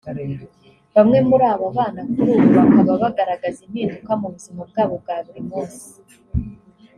Bamwe muri aba bana kuri ubu bakaba bagaragaza impinduka mu buzima bwabo bwa buri munsi